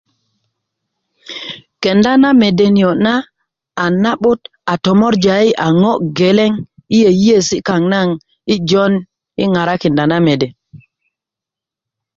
kenda na mede niyo' na a na'but a tomorja yi a ŋo' geleŋ yi yeyeesi' kaaŋ naŋ yi' joon yi ŋarakinda na mede